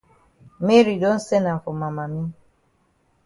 Mary don send am for ma mami.